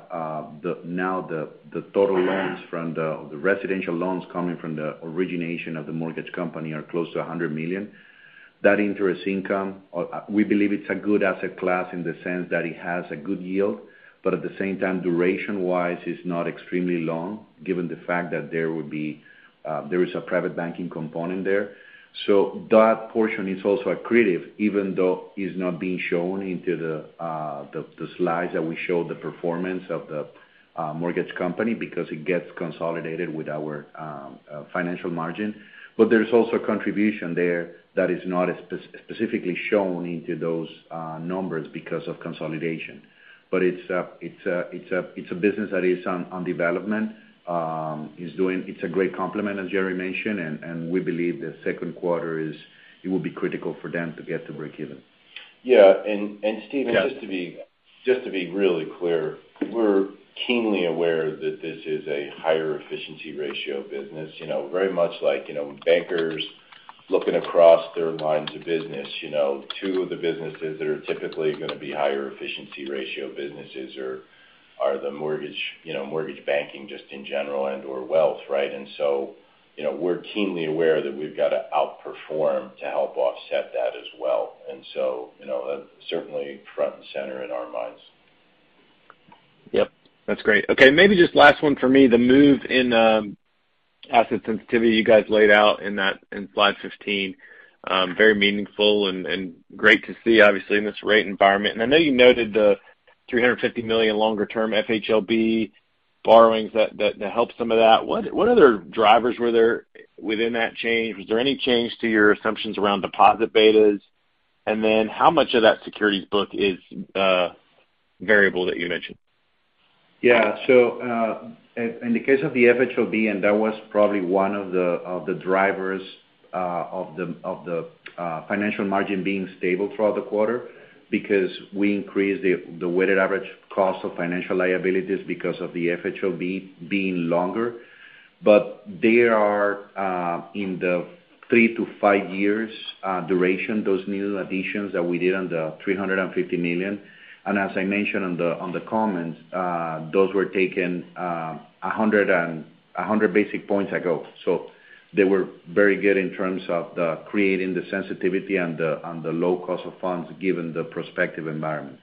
now the total loans from the residential loans coming from the origination of the mortgage company are close to $100 million. That interest income we believe it's a good asset class in the sense that it has a good yield, but at the same time, duration-wise is not extremely long given the fact that there is a private banking component there. That portion is also accretive, even though it's not being shown in the slides that we show the performance of the mortgage company because it gets consolidated with our financial margin. There's also a contribution there that is not specifically shown in those numbers because of consolidation. It's a business that is in development. It's a great complement, as Gerry mentioned, and we believe the second quarter will be critical for them to get to break even. Yeah. Stephen, just to be really clear, we're keenly aware that this is a higher efficiency ratio business. You know, very much like, you know, bankers looking across their lines of business, you know, two of the businesses that are typically gonna be higher efficiency ratio businesses are the mortgage, you know, mortgage banking just in general and/or wealth, right? You know, we're keenly aware that we've got to outperform to help offset that as well. You know, that's certainly front and center in our minds. Yep. That's great. Okay, maybe just last one for me. The move in asset sensitivity you guys laid out in that in slide 15 very meaningful and great to see obviously in this rate environment. I know you noted the $350 million longer term FHLB borrowings that helped some of that. What other drivers were there within that change? Was there any change to your assumptions around deposit betas? And then how much of that securities book is variable that you mentioned? Yeah. In the case of the FHLB, and that was probably one of the drivers of the financial margin being stable throughout the quarter because we increased the weighted average cost of financial liabilities because of the FHLB being longer. They are in the three to five years duration, those new additions that we did on the $350 million. As I mentioned on the comments, those were taken 100 basis points ago. They were very good in terms of the creating the sensitivity and the low cost of funds given the prospective environment.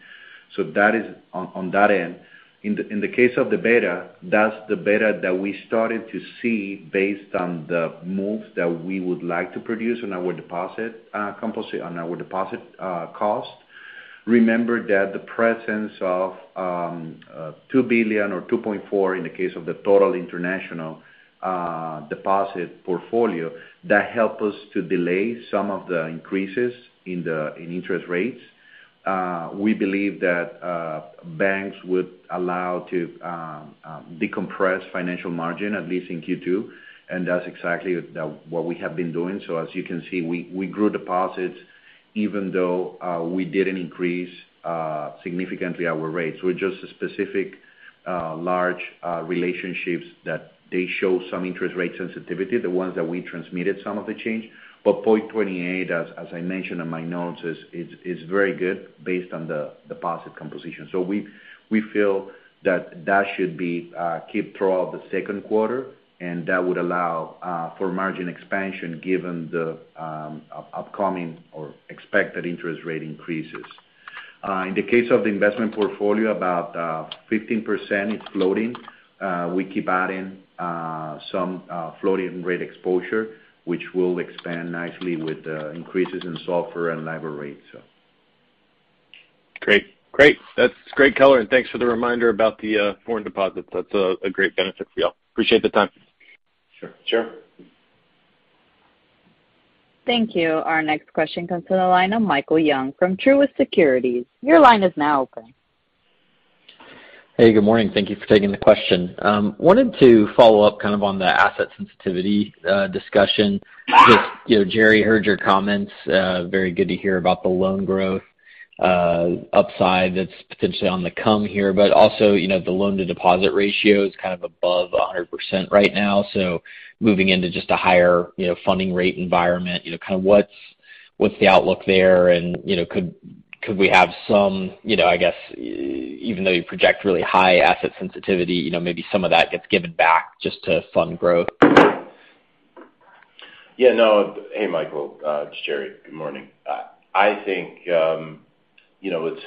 That is on that end. In the case of the beta, that's the beta that we started to see based on the moves that we would like to produce on our deposit cost. Remember that the presence of $2 billion or $2.4 billion in the case of the total international deposit portfolio that help us to delay some of the increases in interest rates. We believe that banks would allow to decompress financial margin at least in Q2, and that's exactly what we have been doing. As you can see, we grew deposits even though we didn't increase significantly our rates. We adjusted specific large relationships that they show some interest rate sensitivity, the ones that we transmitted some of the change. 2.8, as I mentioned in my notes, is very good based on the deposit composition. We feel that should keep throughout the second quarter, and that would allow for margin expansion given the upcoming or expected interest rate increases. In the case of the investment portfolio, about 15% it's floating. We keep adding some floating rate exposure, which will expand nicely with the increases in SOFR and LIBOR rates. Great. That's great color, and thanks for the reminder about the foreign deposits. That's a great benefit for y'all. Appreciate the time. Sure. Sure. Thank you. Our next question comes from the line of Michael Young from Truist Securities. Your line is now open. Hey, good morning. Thank you for taking the question. Wanted to follow up kind of on the asset sensitivity discussion. Just, you know, Gerry, I heard your comments. Very good to hear about the loan growth upside that's potentially on the come here, but also, you know, the loan to deposit ratio is kind of above 100% right now. So moving into just a higher, you know, funding rate environment, you know, kind of what's the outlook there and, you know, could we have some, you know, I guess even though you project really high asset sensitivity, you know, maybe some of that gets given back just to fund growth? Yeah, no. Hey, Michael, it's Jerry. Good morning. I think, you know, it's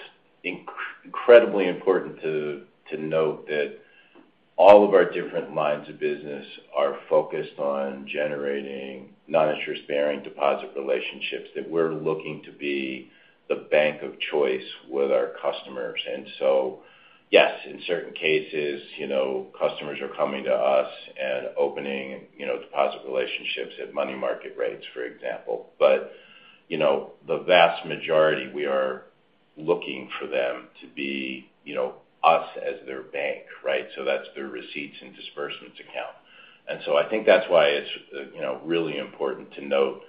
incredibly important to note that all of our different lines of business are focused on generating non-interest-bearing deposit relationships that we're looking to be the bank of choice with our customers. Yes, in certain cases, you know, customers are coming to us and opening, you know, deposit relationships at money market rates, for example. You know, the vast majority, we are looking for them to be, you know, us as their bank, right? That's why it's, you know, really important to note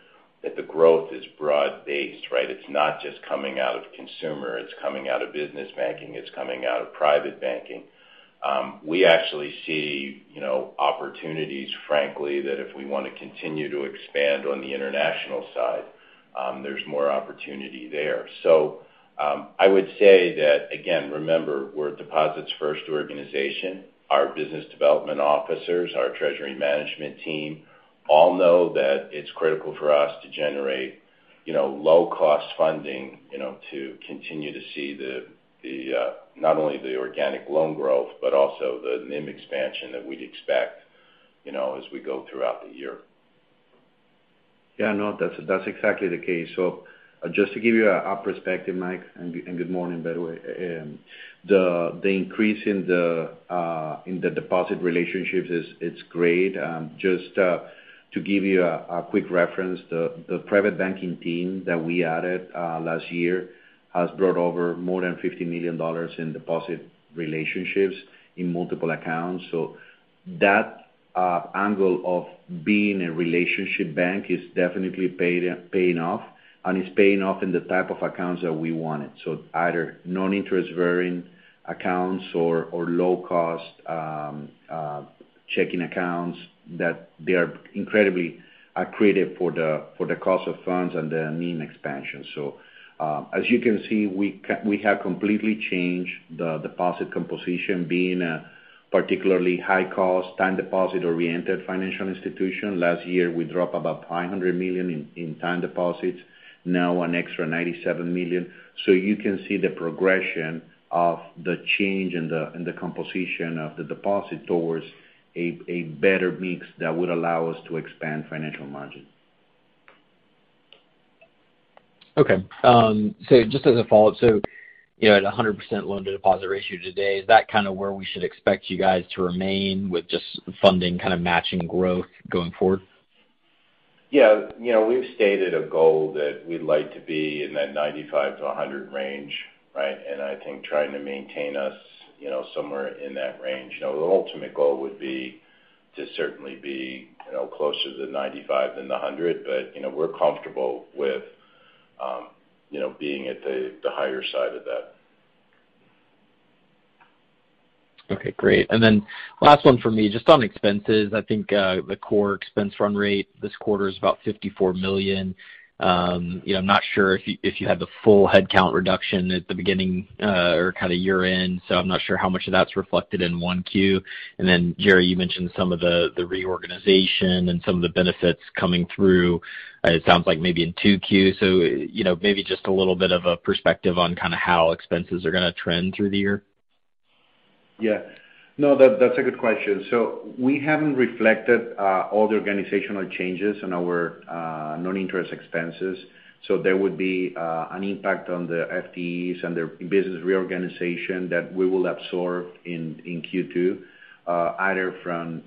that the growth is broad-based, right? It's not just coming out of consumer, it's coming out of business banking, it's coming out of private banking. We actually see, you know, opportunities, frankly, that if we wanna continue to expand on the international side, there's more opportunity there. I would say that, again, remember, we're a deposits-first organization. Our business development officers, our treasury management team all know that it's critical for us to generate, you know, low-cost funding, you know, to continue to see the not only the organic loan growth but also the NIM expansion that we'd expect, you know, as we go throughout the year. Yeah, no, that's exactly the case. Just to give you our perspective, Mike, and good morning, by the way. The increase in the deposit relationships is great. Just to give you a quick reference, the private banking team that we added last year has brought over more than $50 million in deposit relationships in multiple accounts. That angle of being a relationship bank is definitely paying off, and it's paying off in the type of accounts that we wanted. Either non-interest-bearing accounts or low-cost checking accounts that they are incredibly accretive for the cost of funds and the NIM expansion. As you can see, we have completely changed the deposit composition being a particularly high cost time deposit-oriented financial institution. Last year, we dropped about $500 million in time deposits, now an extra $97 million. You can see the progression of the change in the composition of the deposit towards a better mix that would allow us to expand financial margin. Okay. Just as a follow-up. You know, at a 100% loan-to-deposit ratio today, is that kind of where we should expect you guys to remain with just funding kind of matching growth going forward? Yeah. You know, we've stated a goal that we'd like to be in that 95-100 range, right? I think trying to maintain us, you know, somewhere in that range. You know, the ultimate goal would be to certainly be, you know, closer to 95 than the 100. You know, we're comfortable with, you know, being at the higher side of that. Okay, great. Last one for me, just on expenses. I think the core expense run rate this quarter is about $54 million. You know, I'm not sure if you had the full headcount reduction at the beginning or kind of year-end, so I'm not sure how much of that's reflected in 1Q. Gerry, you mentioned some of the reorganization and some of the benefits coming through. It sounds like maybe in 2Q. You know, maybe just a little bit of a perspective on kind of how expenses are gonna trend through the year. Yeah. No, that's a good question. We haven't reflected all the organizational changes in our non-interest expenses. There would be an impact on the FTEs and their business reorganization that we will absorb in Q2, either from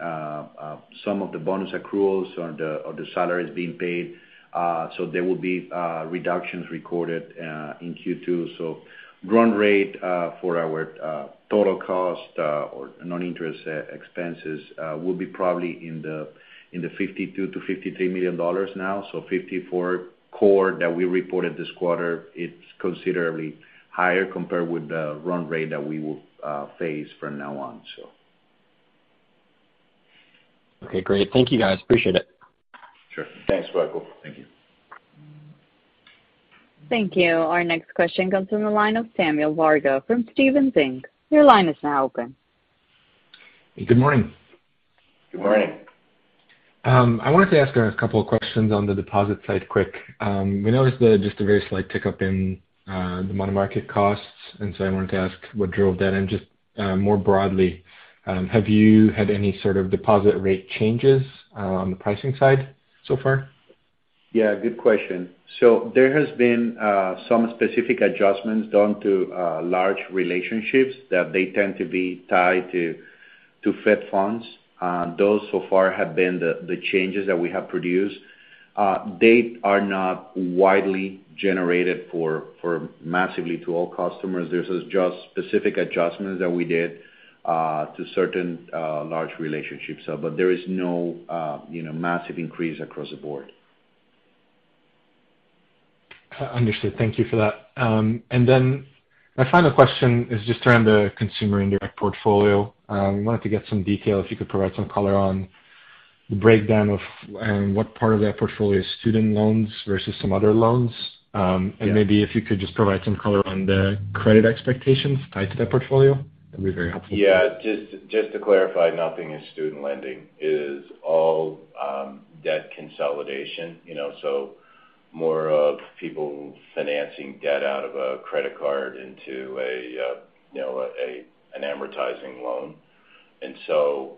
some of the bonus accruals or the salaries being paid. There will be reductions recorded in Q2. Run rate for our total cost or non-interest expenses will be probably in the $52 million-$53 million now. 54 core that we reported this quarter is considerably higher compared with the run rate that we will face from now on. Okay, great. Thank you, guys. Appreciate it. Sure. Thanks, Michael. Thank you. Thank you. Our next question comes from the line of Samuel Vargo from Stephens Inc. Your line is now open. Good morning. Good morning. I wanted to ask a couple of questions on the deposit side quick. We noticed just a very slight tick up in the money market costs, and so I wanted to ask what drove that. Just more broadly, have you had any sort of deposit rate changes on the pricing side so far? Yeah, good question. There has been some specific adjustments done to large relationships that they tend to be tied to Fed funds. Those so far have been the changes that we have produced. They are not widely generated for massively to all customers. This is just specific adjustments that we did to certain large relationships. There is no you know massive increase across the board. Understood. Thank you for that. My final question is just around the consumer indirect portfolio. I wanted to get some detail, if you could provide some color on The breakdown of and what part of that portfolio is student loans versus some other loans? Yeah. Maybe if you could just provide some color on the credit expectations tied to that portfolio, that'd be very helpful. Yeah. Just to clarify, nothing is student lending. It is all debt consolidation, you know, so more people financing debt out of a credit card into an amortizing loan.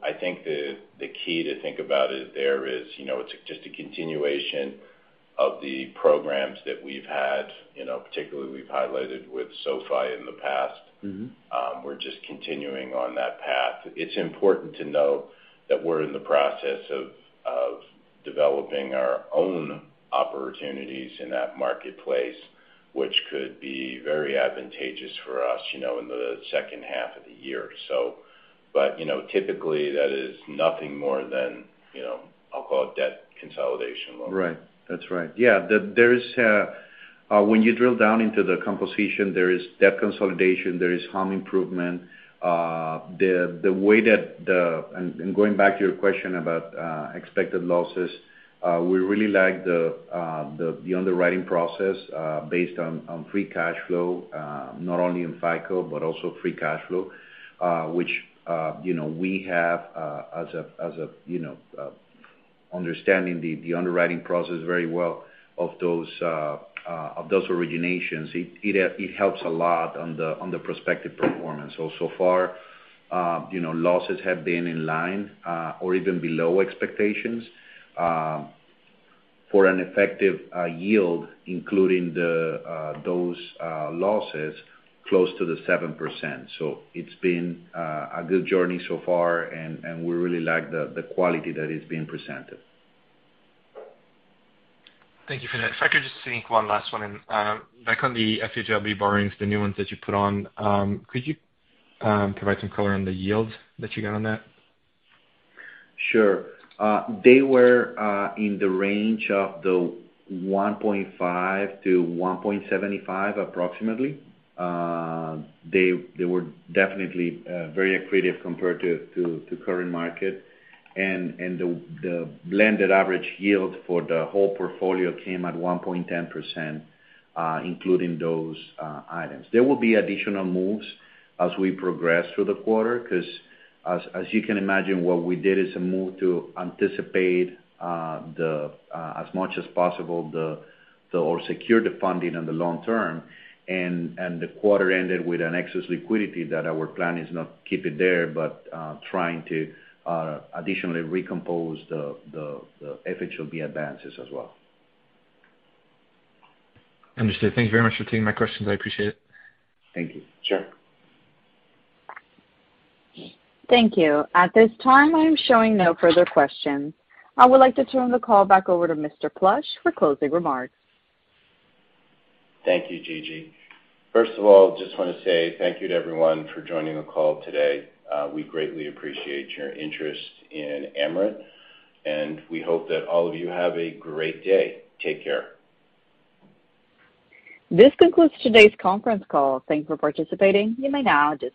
I think the key to think about it there is, you know, it's just a continuation of the programs that we've had, you know, particularly we've highlighted with SoFi in the past. Mm-hmm. We're just continuing on that path. It's important to note that we're in the process of developing our own opportunities in that marketplace, which could be very advantageous for us, you know, in the second half of the year. You know, typically that is nothing more than, you know, I'll call it debt consolidation loan. Right. That's right. Yeah. There is, when you drill down into the composition, there is debt consolidation, there is home improvement. Going back to your question about expected losses, we really like the underwriting process based on free cash flow, not only in FICO but also free cash flow, which you know we understand the underwriting process very well of those originations. It helps a lot on the prospective performance. So far, you know, losses have been in line or even below expectations for an effective yield, including those losses close to 7%. It's been a good journey so far and we really like the quality that is being presented. Thank you for that. If I could just sneak one last one in. Back on the FHLB borrowings, the new ones that you put on, could you provide some color on the yields that you got on that? Sure. They were in the range of 1.5-1.75 approximately. They were definitely very accretive compared to current market. The blended average yield for the whole portfolio came at 1.10%, including those items. There will be additional moves as we progress through the quarter, 'cause as you can imagine, what we did is a move to anticipate as much as possible or secure the funding on the long term, and the quarter ended with an excess liquidity that our plan is not to keep it there, but trying to additionally recompose the FHLB advances as well. Understood. Thank you very much for taking my questions. I appreciate it. Thank you. Sure. Thank you. At this time, I am showing no further questions. I would like to turn the call back over to Mr. Plush for closing remarks. Thank you, Gigi. First of all, just wanna say thank you to everyone for joining the call today. We greatly appreciate your interest in Amerant, and we hope that all of you have a great day. Take care. This concludes today's conference call. Thank you for participating. You may now disconnect.